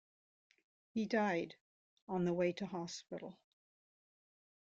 He died on the way to hospital.